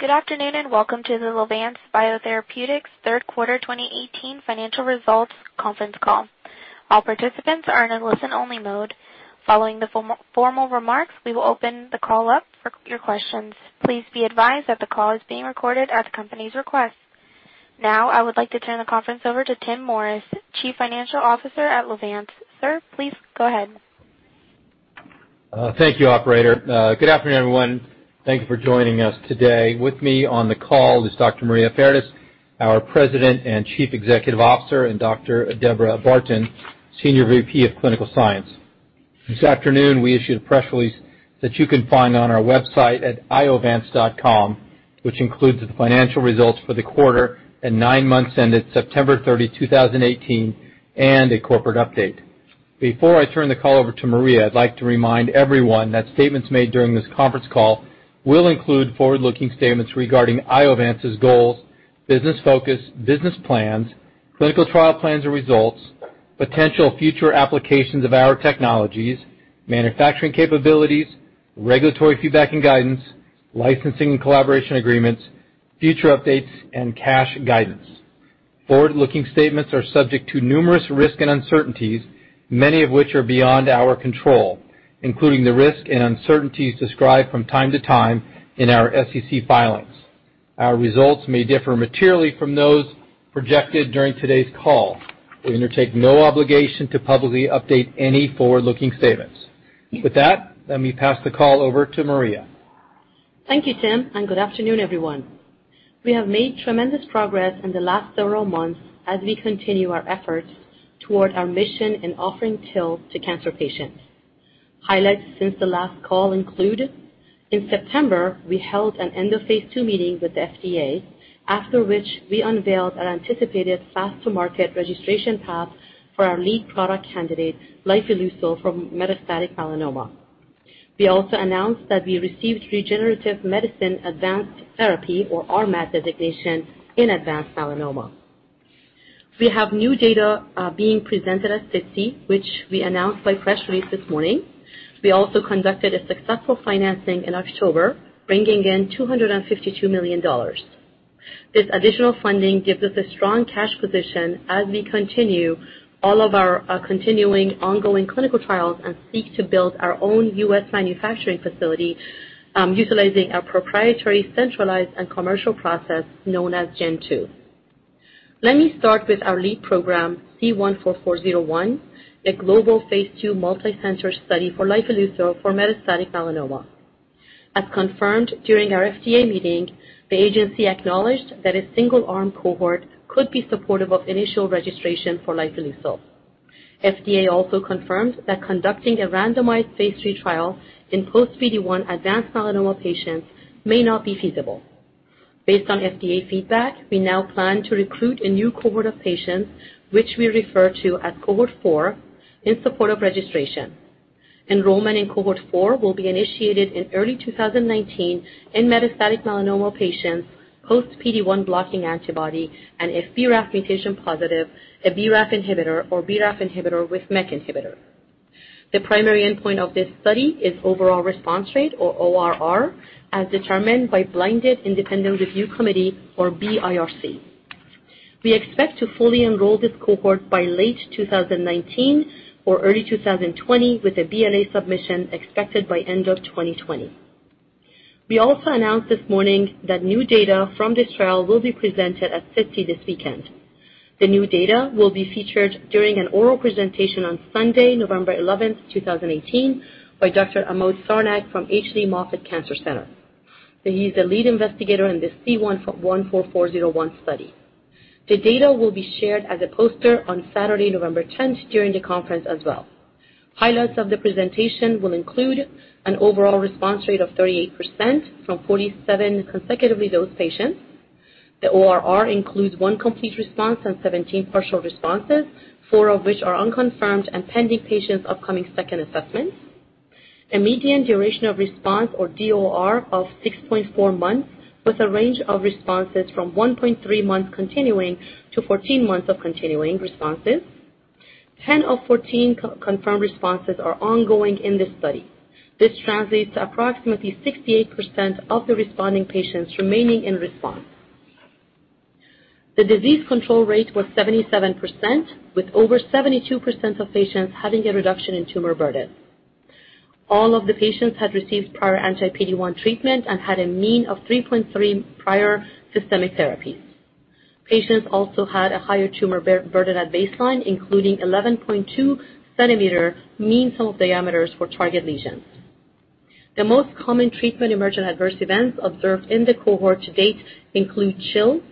Good afternoon, welcome to the Iovance Biotherapeutics third quarter 2018 financial results conference call. All participants are in a listen-only mode. Following the formal remarks, we will open the call up for your questions. Please be advised that the call is being recorded at the company's request. Now, I would like to turn the conference over to Tim Morris, Chief Financial Officer at Iovance. Sir, please go ahead. Thank you, operator. Good afternoon, everyone. Thank you for joining us today. With me on the call is Dr. Maria Fardis, our President and Chief Executive Officer, and Dr. Debora Barton, Senior VP of Clinical Science. This afternoon, we issued a press release that you can find on our website at iovance.com, which includes the financial results for the quarter and nine months ended September 30, 2018, and a corporate update. Before I turn the call over to Maria, I'd like to remind everyone that statements made during this conference call will include forward-looking statements regarding Iovance's goals, business focus, business plans, clinical trial plans or results, potential future applications of our technologies, manufacturing capabilities, regulatory feedback and guidance, licensing and collaboration agreements, future updates, and cash guidance. Forward-looking statements are subject to numerous risks and uncertainties, many of which are beyond our control, including the risks and uncertainties described from time to time in our SEC filings. Our results may differ materially from those projected during today's call. We undertake no obligation to publicly update any forward-looking statements. Let me pass the call over to Maria. Thank you, Tim, good afternoon, everyone. We have made tremendous progress in the last several months as we continue our efforts toward our mission in offering cure to cancer patients. Highlights since the last call include, in September, we held an end-of-phase II meeting with the FDA, after which we unveiled an anticipated fast-to-market registration path for our lead product candidate, lifileucel, for metastatic melanoma. We also announced that we received Regenerative Medicine Advanced Therapy, or RMAT designation, in advanced melanoma. We have new data being presented at SITC, which we announced by press release this morning. We also conducted a successful financing in October, bringing in $252 million. This additional funding gives us a strong cash position as we continue all of our continuing ongoing clinical trials and seek to build our own U.S. manufacturing facility utilizing a proprietary, centralized, and commercial process known as Gen 2. Let me start with our lead program, C-144-01, a global phase II multi-center study for lifileucel for metastatic melanoma. As confirmed during our FDA meeting, the agency acknowledged that a single-arm cohort could be supportive of initial registration for lifileucel. FDA also confirmed that conducting a randomized phase III trial in post-PD-1 advanced melanoma patients may not be feasible. Based on FDA feedback, we now plan to recruit a new cohort of patients, which we refer to as cohort 4, in support of registration. Enrollment in cohort 4 will be initiated in early 2019 in metastatic melanoma patients post-PD-1 blocking antibody and if BRAF mutation positive, a BRAF inhibitor or BRAF inhibitor with MEK inhibitor. The primary endpoint of this study is overall response rate, or ORR, as determined by Blinded Independent Review Committee, or BIRC. We expect to fully enroll this cohort by late 2019 or early 2020 with a BLA submission expected by end of 2020. We also announced this morning that new data from this trial will be presented at SITC this weekend. The new data will be featured during an oral presentation on Sunday, November 11, 2018, by Dr. Amod Sarnaik from H. Lee Moffitt Cancer Center. He's the lead investigator in the C-144-01 study. The data will be shared as a poster on Saturday, November 10th during the conference as well. Highlights of the presentation will include an overall response rate of 38% from 47 consecutively dosed patients. The ORR includes one complete response and 17 partial responses, four of which are unconfirmed and pending patients' upcoming second assessments. A median duration of response, or DOR, of 6.4 months, with a range of responses from 1.3 months continuing to 14 months of continuing responses. 10 of 14 confirmed responses are ongoing in this study. This translates to approximately 68% of the responding patients remaining in response. The disease control rate was 77%, with over 72% of patients having a reduction in tumor burden. All of the patients had received prior anti-PD-1 treatment and had a mean of 3.3 prior systemic therapy. Patients also had a higher tumor burden at baseline, including 11.2 centimeter mean tumor diameters for target lesions. The most common treatment-emergent adverse events observed in the cohort to date include chills,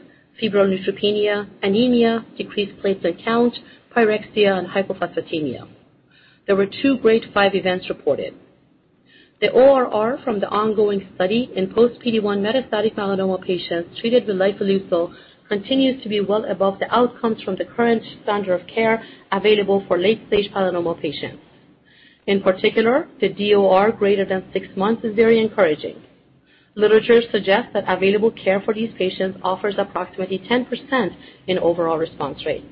febrile neutropenia, anemia, decreased platelet count, pyrexia, and hypophosphatemia. There were 2 grade 5 events reported. The ORR from the ongoing study in post-PD-1 metastatic melanoma patients treated with lifileucel continues to be well above the outcomes from the current standard of care available for late-stage melanoma patients. In particular, the DOR greater than six months is very encouraging. Literature suggests that available care for these patients offers approximately 10% in overall response rate.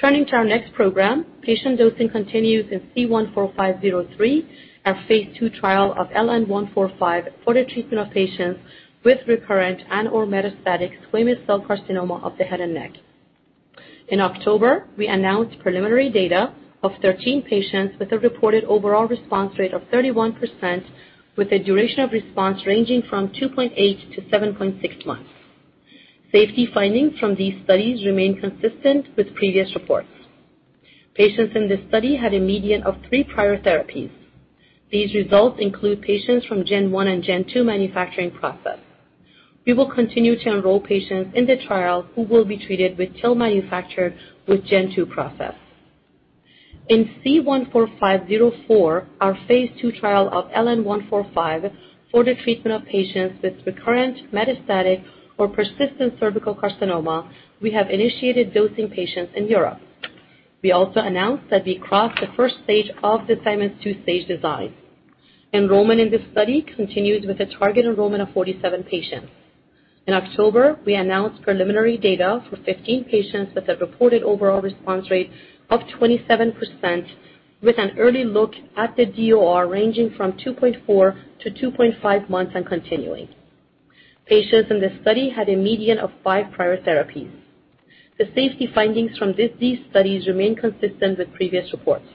Turning to our next program, patient dosing continues in C-145-03, our Phase II trial of LN-145 for the treatment of patients with recurrent and/or metastatic squamous cell carcinoma of the head and neck. In October, we announced preliminary data of 13 patients with a reported overall response rate of 31%, with a duration of response ranging from 2.8 to 7.6 months. Safety findings from these studies remain consistent with previous reports. Patients in this study had a median of three prior therapies. These results include patients from Gen 1 and Gen 2 manufacturing process. We will continue to enroll patients in the trial who will be treated with TIL manufactured with Gen 2 process. In C-145-04, our phase II trial of LN-145 for the treatment of patients with recurrent metastatic or persistent cervical carcinoma, we have initiated dosing patients in Europe. We also announced that we crossed the first stage of the Simon two-stage design. Enrollment in this study continues with a target enrollment of 47 patients. In October, we announced preliminary data for 15 patients with a reported overall response rate of 27%, with an early look at the DOR ranging from 2.4 to 2.5 months and continuing. Patients in the study had a median of five prior therapies. The safety findings from these studies remain consistent with previous reports.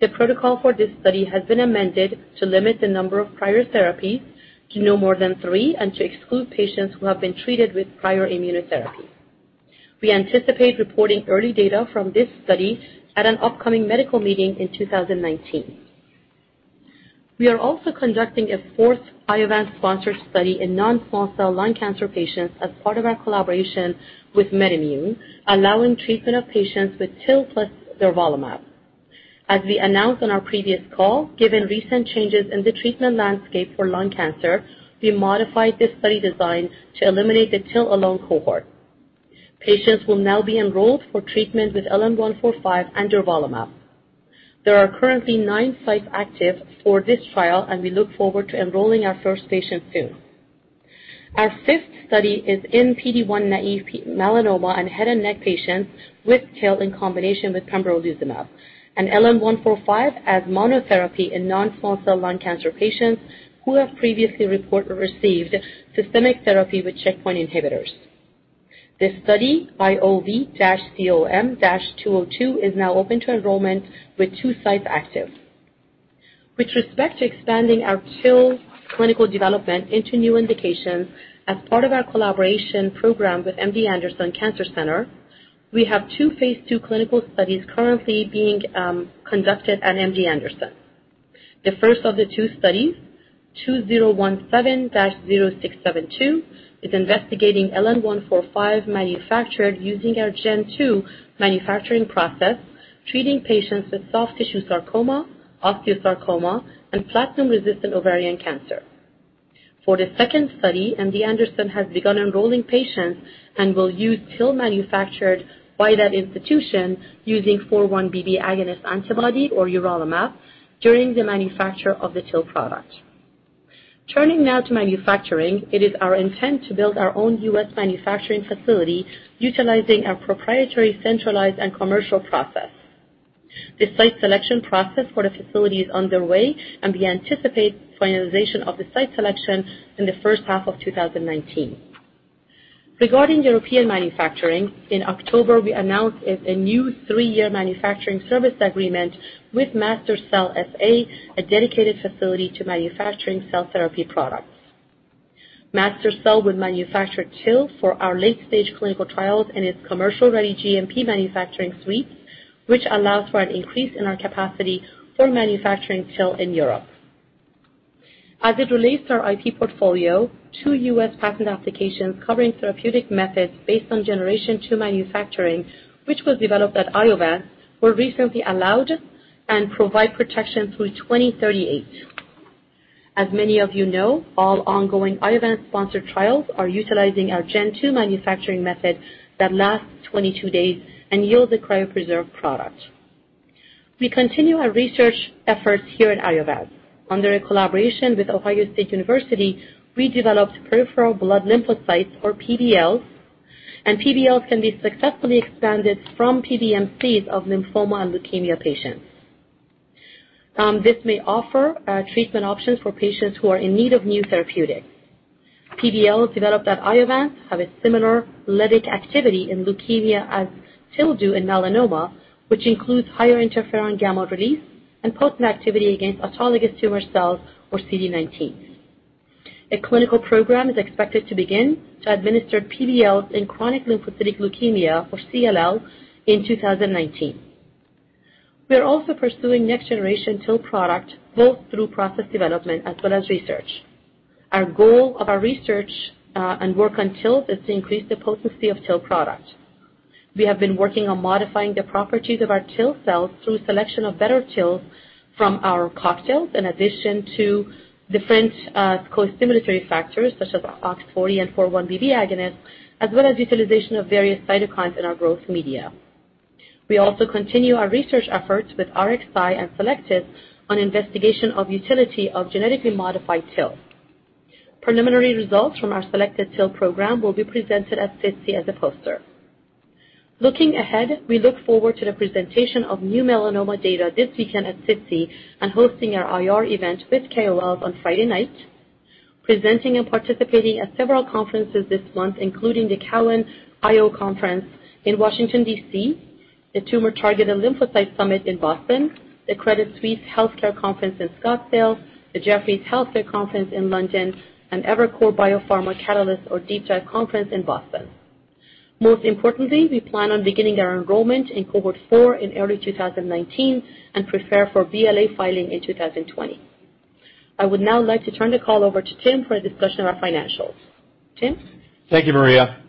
The protocol for this study has been amended to limit the number of prior therapies to no more than three and to exclude patients who have been treated with prior immunotherapy. We anticipate reporting early data from this study at an upcoming medical meeting in 2019. We are also conducting a fourth Iovance-sponsored study in non-small cell lung cancer patients as part of our collaboration with MedImmune, allowing treatment of patients with TIL plus durvalumab. As we announced on our previous call, given recent changes in the treatment landscape for lung cancer, we modified this study design to eliminate the TIL-alone cohort. Patients will now be enrolled for treatment with LN-145 and durvalumab. There are currently nine sites active for this trial. We look forward to enrolling our first patients soon. Our fifth study is in PD-1 naive melanoma and head and neck patients with TIL in combination with pembrolizumab, and LN-145 as monotherapy in non-small cell lung cancer patients who have previously received systemic therapy with checkpoint inhibitors. This study, IOV-COM-202, is now open to enrollment with two sites active. With respect to expanding our TIL clinical development into new indications, as part of our collaboration program with MD Anderson Cancer Center, we have two phase II clinical studies currently being conducted at MD Anderson. The first of the two studies, 2017-0672, is investigating LN-145 manufactured using our Gen 2 manufacturing process, treating patients with soft tissue sarcoma, osteosarcoma, and platinum-resistant ovarian cancer. For the second study, MD Anderson has begun enrolling patients and will use TIL manufactured by that institution using 4-1BB agonist antibody, or urelumab, during the manufacture of the TIL product. Turning now to manufacturing, it is our intent to build our own U.S. manufacturing facility utilizing our proprietary centralized and commercial process. The site selection process for the facility is underway. We anticipate finalization of the site selection in the first half of 2019. Regarding European manufacturing, in October, we announced a new three-year manufacturing service agreement with MaSTherCell S.A., a dedicated facility to manufacturing cell therapy products. MaSTherCell will manufacture TIL for our late-stage clinical trials in its commercial-ready GMP manufacturing suites, which allows for an increase in our capacity for manufacturing TIL in Europe. As it relates to our IP portfolio, two U.S. patent applications covering therapeutic methods based on Gen 2 manufacturing, which was developed at Iovance, were recently allowed and provide protection through 2038. As many of you know, all ongoing Iovance-sponsored trials are utilizing our Gen 2 manufacturing method that lasts 22 days and yields a cryopreserved product. We continue our research efforts here at Iovance. Under a collaboration with Ohio State University, we developed peripheral blood lymphocytes, or PBLs, and PBLs can be successfully expanded from PBMCs of lymphoma and leukemia patients. This may offer treatment options for patients who are in need of new therapeutics. PBLs developed at Iovance have a similar lytic activity in leukemia as TIL do in melanoma, which includes higher interferon gamma release and potency activity against autologous tumor cells, or CD19. A clinical program is expected to begin to administer PBLs in chronic lymphocytic leukemia, or CLL, in 2019. We are also pursuing next-generation TIL product, both through process development as well as research. Our goal of our research and work on TIL is to increase the potency of TIL product. We have been working on modifying the properties of our TIL cells through selection of better TILs from our cocktails, in addition to different co-stimulatory factors such as OX40 and 4-1BB agonist, as well as utilization of various cytokines in our growth media. We also continue our research efforts with RXi and Selected on investigation of utility of genetically modified TIL. Preliminary results from our selected TIL program will be presented at SITC as a poster. Looking ahead, we look forward to the presentation of new melanoma data this weekend at SITC and hosting our IR event with KOL on Friday night, presenting and participating at several conferences this month, including the CRI-CIMT-EATI-AACR International Cancer Immunotherapy Conference in Washington, D.C., the TIL Therapies Summit in Boston, the Credit Suisse Healthcare Conference in Scottsdale, the Jefferies Healthcare Conference in London, and Evercore Biopharma Catalyst or Deep Dive Conference in Boston. Most importantly, we plan on beginning our enrollment in cohort 4 in early 2019 and prepare for BLA filing in 2020. I would now like to turn the call over to Tim for a discussion of our financials. Tim? Thank you, Maria.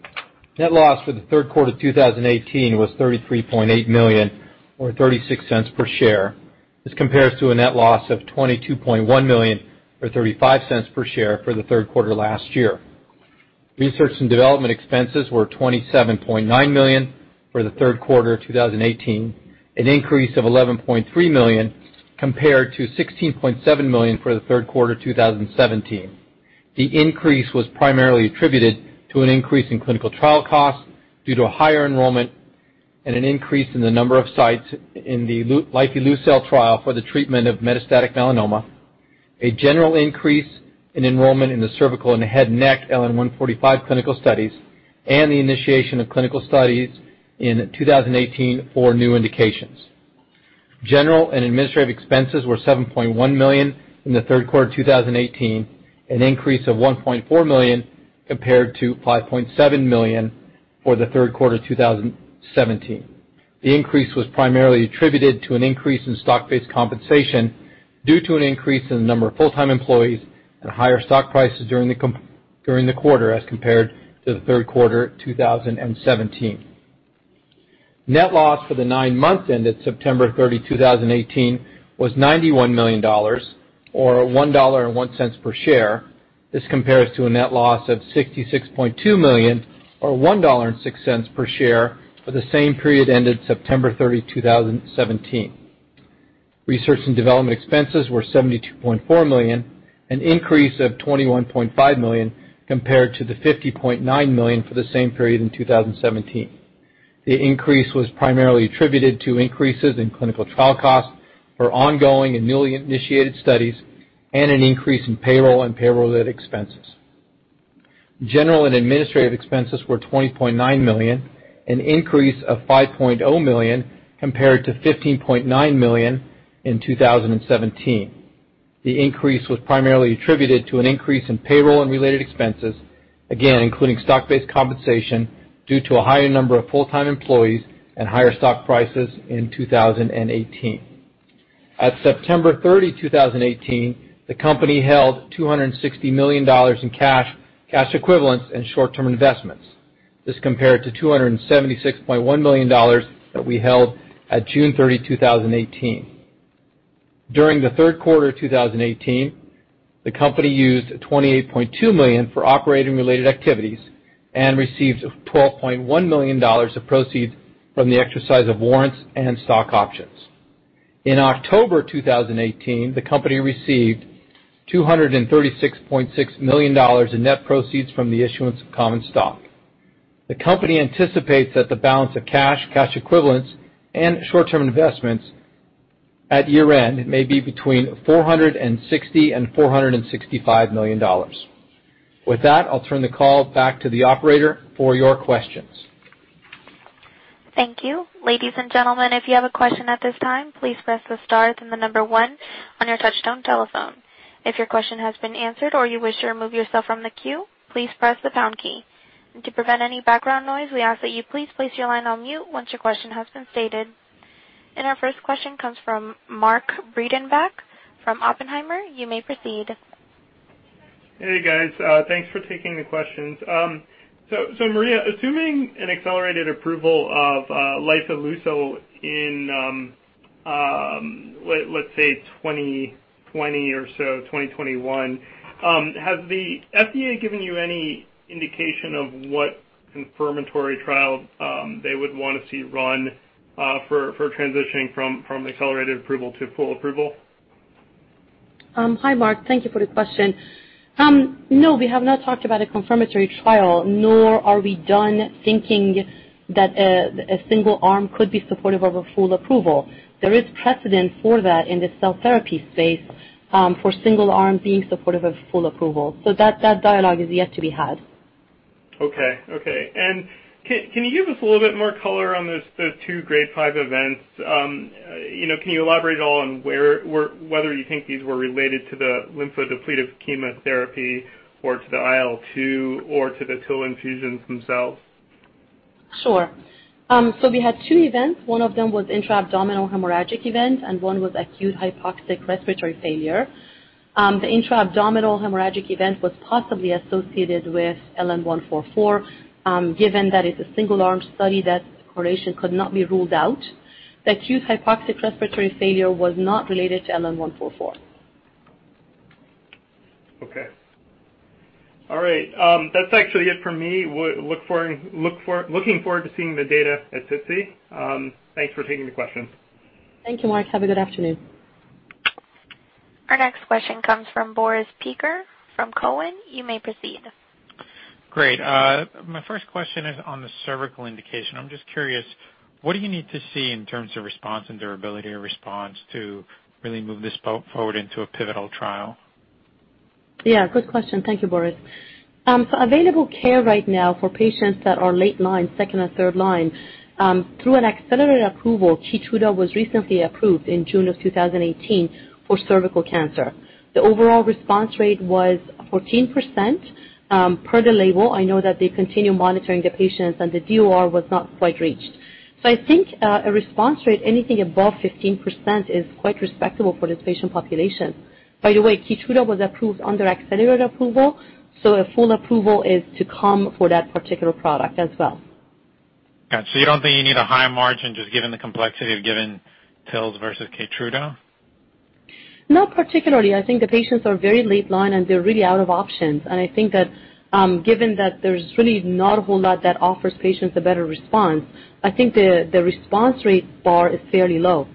Net loss for the third quarter 2018 was $33.8 million, or $0.36 per share. This compares to a net loss of $22.1 million or $0.35 per share for the third quarter last year. Research and development expenses were $27.9 million for the third quarter 2018, an increase of $11.3 million compared to $16.7 million for the third quarter 2017. The increase was primarily attributed to an increase in clinical trial costs due to a higher enrollment and an increase in the number of sites in the lifileucel trial for the treatment of metastatic melanoma, a general increase in enrollment in the cervical and head neck LN-145 clinical studies, and the initiation of clinical studies in 2018 for new indications. General and administrative expenses were $7.1 million in the third quarter 2018, an increase of $1.4 million compared to $5.7 million for the third quarter 2017. The increase was primarily attributed to an increase in stock-based compensation due to an increase in the number of full-time employees and higher stock prices during the quarter as compared to the third quarter 2017. Net loss for the nine months ended September 30, 2018, was $91 million, or $1.01 per share. This compares to a net loss of $66.2 million or $1.06 per share for the same period ended September 30, 2017. Research and development expenses were $72.4 million, an increase of $21.5 million compared to the $50.9 million for the same period in 2017. The increase was primarily attributed to increases in clinical trial costs for ongoing and newly initiated studies and an increase in payroll and payroll-related expenses. General and administrative expenses were $20.9 million, an increase of $5.0 million compared to $15.9 million in 2017. The increase was primarily attributed to an increase in payroll and related expenses, again, including stock-based compensation due to a higher number of full-time employees and higher stock prices in 2018. At September 30, 2018, the company held $260 million in cash equivalents, and short-term investments. This compared to $276.1 million that we held at June 30, 2018. During the third quarter 2018, the company used $28.2 million for operating-related activities and received $12.1 million of proceeds from the exercise of warrants and stock options. In October 2018, the company received $236.6 million in net proceeds from the issuance of common stock. The company anticipates that the balance of cash equivalents, and short-term investments at year-end may be between $460 and $465 million. With that, I'll turn the call back to the operator for your questions. Thank you. Ladies and gentlemen, if you have a question at this time, please press the star then the number 1 on your touch-tone telephone. If your question has been answered or you wish to remove yourself from the queue, please press the pound key. To prevent any background noise, we ask that you please place your line on mute once your question has been stated. Our first question comes from Mark Breidenbach from Oppenheimer. You may proceed. Hey, guys. Thanks for taking the questions. Maria, assuming an accelerated approval of lifileucel in, let's say, 2020 or so, 2021, has the FDA given you any indication of what confirmatory trial they would want to see run for transitioning from accelerated approval to full approval? Hi, Mark. Thank you for the question. No, we have not talked about a confirmatory trial, nor are we done thinking that a single arm could be supportive of a full approval. There is precedent for that in the cell therapy space for single arm being supportive of full approval. That dialogue is yet to be had. Okay. Can you give us a little bit more color on those two grade 5 events? Can you elaborate at all on whether you think these were related to the lymphodepleted chemotherapy or to the IL-2 or to the TIL infusions themselves? Sure. We had two events. One of them was intra-abdominal hemorrhagic event, and one was acute hypoxic respiratory failure. The intra-abdominal hemorrhagic event was possibly associated with LN-144. Given that it's a single-arm study, that correlation could not be ruled out. The acute hypoxic respiratory failure was not related to LN-144. Okay. All right. That's actually it for me. Looking forward to seeing the data at SITC. Thanks for taking the questions. Thank you, Mark. Have a good afternoon. Our next question comes from Boris Peaker from Cowen. You may proceed. Great. My first question is on the cervical indication. I'm just curious, what do you need to see in terms of response and durability of response to really move this forward into a pivotal trial? Yeah, good question. Thank you, Boris. Available care right now for patients that are late line, second or third line, through an accelerated approval, KEYTRUDA was recently approved in June of 2018 for cervical cancer. The overall response rate was 14% per the label. I know that they continue monitoring the patients, and the DOR was not quite reached. I think a response rate, anything above 15%, is quite respectable for this patient population. By the way, KEYTRUDA was approved under accelerated approval, a full approval is to come for that particular product as well. Got it. You don't think you need a high margin, just given the complexity of given TILs versus KEYTRUDA? Not particularly. I think the patients are very late line, and they're really out of options. I think that, given that there's really not a whole lot that offers patients a better response, I think the response rate bar is fairly low.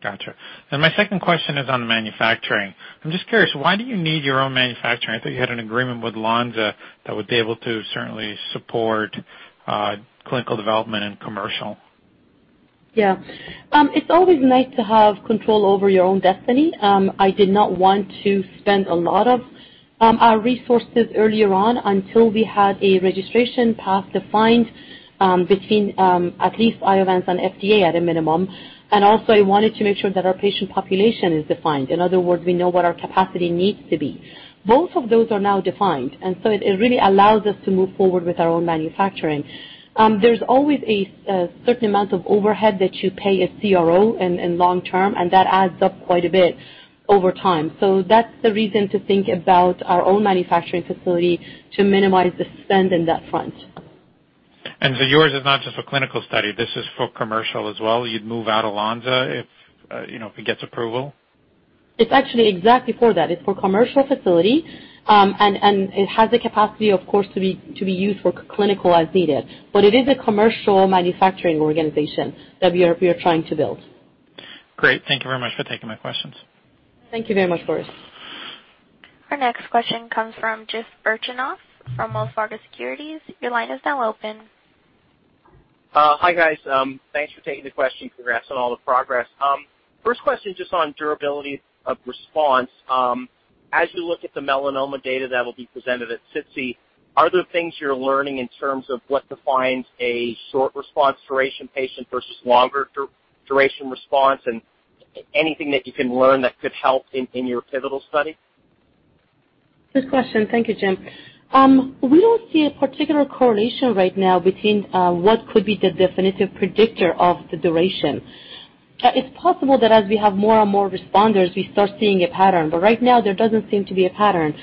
Got you. My second question is on manufacturing. I'm just curious, why do you need your own manufacturing? I thought you had an agreement with Lonza that would be able to certainly support clinical development and commercial. Yeah. It's always nice to have control over your own destiny. I did not want to spend a lot of our resources earlier on until we had a registration path defined between at least Iovance and FDA at a minimum. Also, I wanted to make sure that our patient population is defined. In other words, we know what our capacity needs to be. Both of those are now defined, it really allows us to move forward with our own manufacturing. There's always a certain amount of overhead that you pay a CRO in long term, and that adds up quite a bit over time. That's the reason to think about our own manufacturing facility to minimize the spend in that front. Yours is not just for clinical study, this is for commercial as well? You'd move out of Lonza if it gets approval? It's actually exactly for that. It's for commercial facility, and it has the capacity, of course, to be used for clinical as needed. It is a commercial manufacturing organization that we are trying to build. Great. Thank you very much for taking my questions. Thank you very much, Boris. Our next question comes from Jim Birchenough from Wells Fargo Securities. Your line is now open. Hi, guys. Thanks for taking the question. Congrats on all the progress. First question, just on durability of response. As you look at the melanoma data that will be presented at SITC, are there things you're learning in terms of what defines a short response duration patient versus longer duration response, and anything that you can learn that could help in your pivotal study? Good question. Thank you, Jim. We don't see a particular correlation right now between what could be the definitive predictor of the duration. It's possible that as we have more and more responders, we start seeing a pattern, but right now there doesn't seem to be a pattern.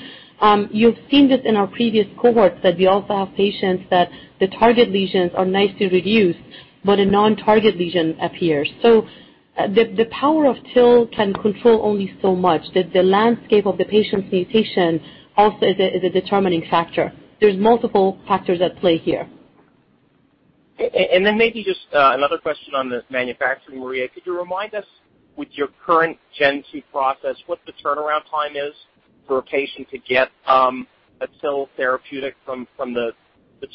You've seen this in our previous cohorts, that we also have patients that the target lesions are nicely reduced, but a non-target lesion appears. The power of TIL can control only so much, that the landscape of the patient's mutation also is a determining factor. There's multiple factors at play here. Maybe just another question on the manufacturing. Maria, could you remind us, with your current Gen 2 process, what the turnaround time is for a patient to get a TIL therapeutic from the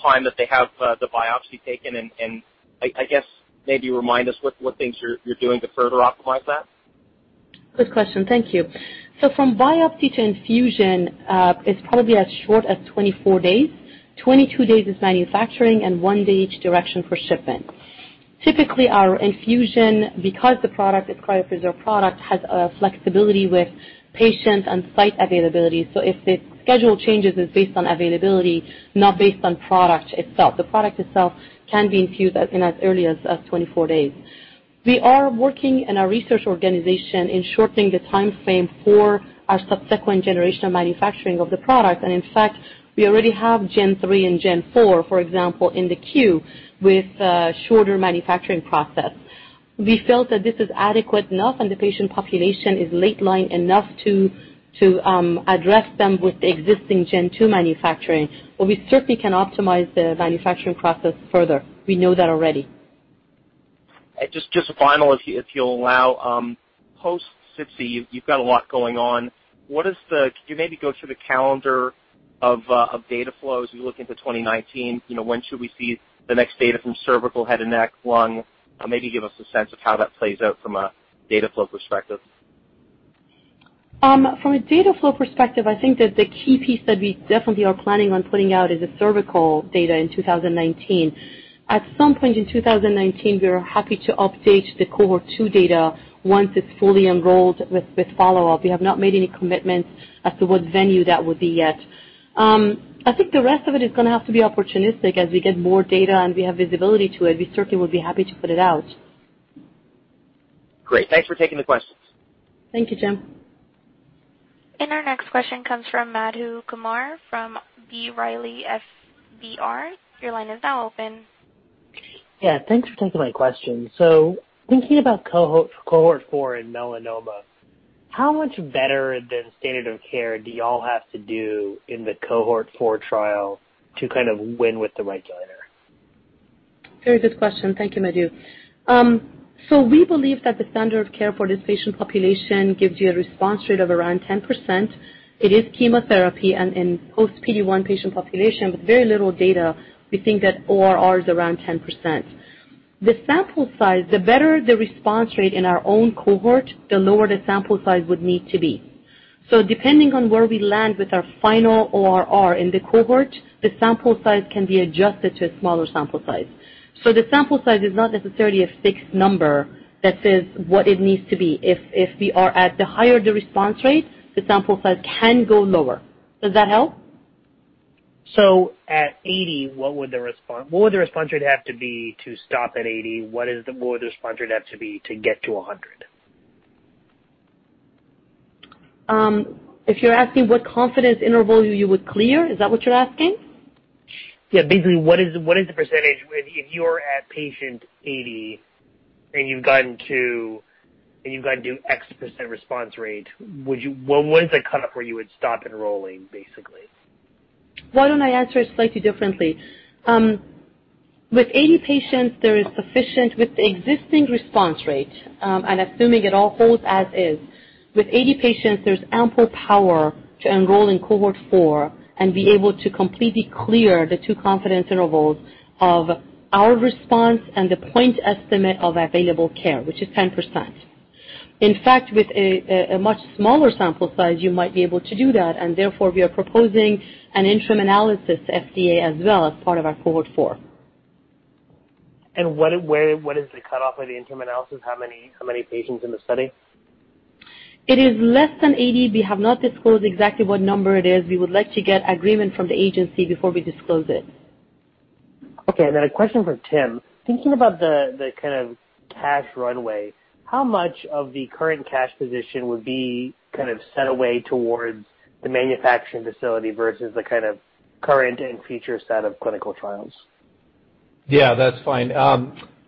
time that they have the biopsy taken and, I guess, maybe remind us what things you're doing to further optimize that? Good question. Thank you. From biopsy to infusion, it's probably as short as 24 days. 22 days is manufacturing and one day each direction for shipment. Typically, our infusion, because the product is cryopreserved product, has flexibility with patient and site availability. If the schedule changes, it's based on availability, not based on product itself. The product itself can be infused in as early as 24 days. We are working in our research organization in shortening the timeframe for our subsequent generation of manufacturing of the product. In fact, we already have Gen 3 and Gen 4, for example, in the queue with a shorter manufacturing process. We felt that this is adequate enough and the patient population is late line enough to address them with the existing Gen 2 manufacturing. We certainly can optimize the manufacturing process further. We know that already. Just final, if you'll allow. Post SITC, you've got a lot going on. Could you maybe go through the calendar of data flow as we look into 2019? When should we see the next data from cervical, head and neck, lung? Maybe give us a sense of how that plays out from a data flow perspective. From a data flow perspective, I think that the key piece that we definitely are planning on putting out is the cervical data in 2019. At some point in 2019, we are happy to update the Cohort 2 data once it's fully enrolled with follow-up. We have not made any commitments as to what venue that would be yet. I think the rest of it is going to have to be opportunistic. As we get more data and we have visibility to it, we certainly will be happy to put it out. Great. Thanks for taking the questions. Thank you, Jim. Our next question comes from Madhu Kumar from B. Riley FBR. Your line is now open. Thanks for taking my question. Thinking about Cohort 4 in melanoma? How much better than standard of care do you all have to do in the Cohort 4 trial to kind of win with the regulator? Very good question. Thank you, Madhu. We believe that the standard of care for this patient population gives you a response rate of around 10%. It is chemotherapy and post PD-1 patient population with very little data, we think that ORR is around 10%. The sample size, the better the response rate in our own cohort, the lower the sample size would need to be. Depending on where we land with our final ORR in the cohort, the sample size can be adjusted to a smaller sample size. The sample size is not necessarily a fixed number that says what it needs to be. If we are at the higher the response rate, the sample size can go lower. Does that help? At 80, what would the response rate have to be to stop at 80? What would the response rate have to be to get to 100? If you're asking what confidence interval you would clear, is that what you're asking? Yeah. Basically, what is the percentage if you are at patient 80 and you've gotten to x% response rate, what is the cutoff where you would stop enrolling, basically? Why don't I answer it slightly differently? With the existing response rate, assuming it all holds as is, with 80 patients, there's ample power to enroll in cohort 4 and be able to completely clear the two confidence intervals of our response and the point estimate of available care, which is 10%. In fact, with a much smaller sample size, you might be able to do that. Therefore, we are proposing an interim analysis to FDA as well as part of our cohort 4. What is the cutoff of the interim analysis? How many patients in the study? It is less than 80. We have not disclosed exactly what number it is. We would like to get agreement from the agency before we disclose it. Okay. A question for Tim. Thinking about the kind of cash runway, how much of the current cash position would be kind of set away towards the manufacturing facility versus the kind of current and future set of clinical trials?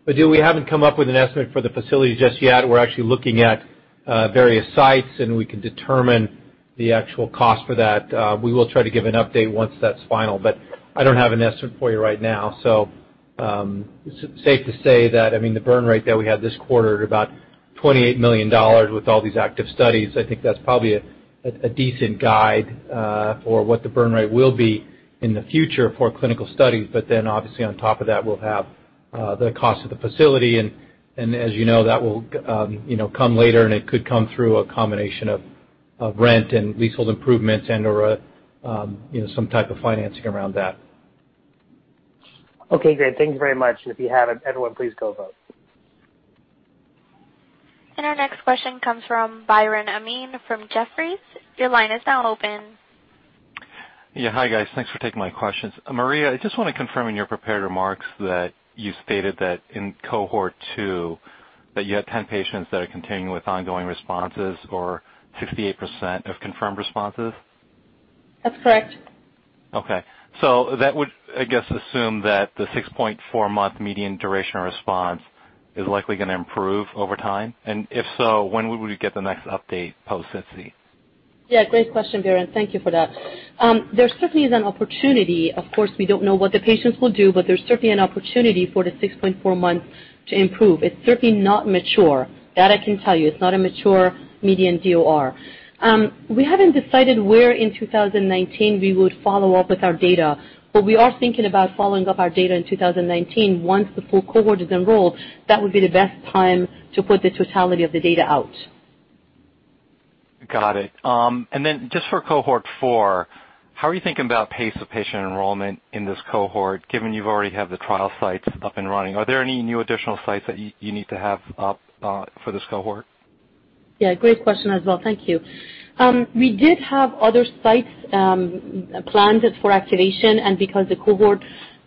Madhu, we haven't come up with an estimate for the facility just yet. We're actually looking at various sites, and we can determine the actual cost for that. We will try to give an update once that's final, but I don't have an estimate for you right now. Safe to say that, I mean, the burn rate that we had this quarter at about $28 million with all these active studies, I think that's probably a decent guide for what the burn rate will be in the future for clinical studies. Obviously on top of that, we'll have the cost of the facility, and as you know, that will come later, and it could come through a combination of rent and leasehold improvements and/or some type of financing around that. Okay, great. Thank you very much. If you have it, everyone please go vote. Our next question comes from Biren Amin from Jefferies. Your line is now open. Yeah. Hi, guys. Thanks for taking my questions. Maria, I just want to confirm in your prepared remarks that you stated that in cohort 2, that you had 10 patients that are continuing with ongoing responses or 68% of confirmed responses? That's correct. Okay. That would, I guess, assume that the 6.4-month median duration response is likely going to improve over time. If so, when would we get the next update post SITC? Great question, Biren. Thank you for that. There certainly is an opportunity. Of course, we don't know what the patients will do, but there's certainly an opportunity for the 6.4 months to improve. It's certainly not mature. That I can tell you. It's not a mature median DOR. We haven't decided where in 2019 we would follow up with our data, but we are thinking about following up our data in 2019 once the full cohort is enrolled. That would be the best time to put the totality of the data out. Got it. Just for cohort 4, how are you thinking about pace of patient enrollment in this cohort, given you already have the trial sites up and running? Are there any new additional sites that you need to have up for this cohort? Yeah, great question as well. Thank you. We did have other sites planned for activation, and because the cohort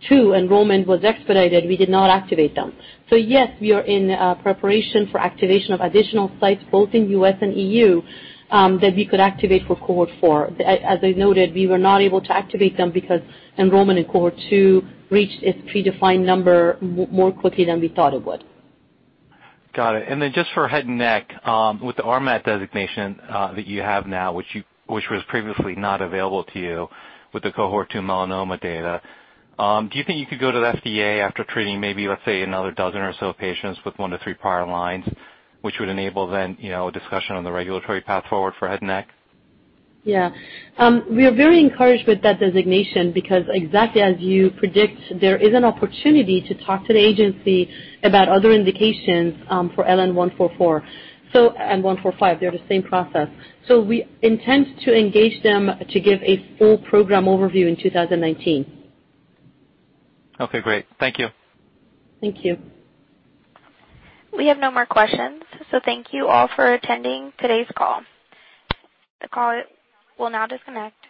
2 enrollment was expedited, we did not activate them. Yes, we are in preparation for activation of additional sites both in U.S. and EU, that we could activate for cohort 4. As I noted, we were not able to activate them because enrollment in cohort 2 reached its predefined number more quickly than we thought it would. Got it. Just for head and neck, with the RMAT designation that you have now, which was previously not available to you with the cohort 2 melanoma data, do you think you could go to the FDA after treating maybe, let's say, another dozen or so patients with 1 to 3 prior lines, which would enable a discussion on the regulatory path forward for head and neck? Yeah. We are very encouraged with that designation because exactly as you predict, there is an opportunity to talk to the agency about other indications for LN-144 and LN-145. They're the same process. We intend to engage them to give a full program overview in 2019. Okay, great. Thank you. Thank you. We have no more questions, so thank you all for attending today's call. The call will now disconnect.